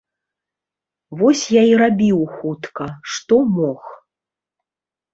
Вось я і рабіў хутка, што мог.